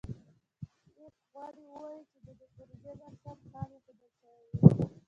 کلېک غواړي ووایي چې د دې پروژې بنسټ خام ایښودل شوی و.